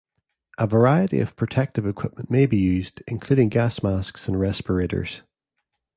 A variety of protective equipment may be used, including gas masks and respirators.